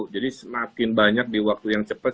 jadi semakin banyak di waktu yang cepat